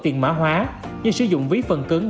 tiền mã hóa như sử dụng ví phần cứng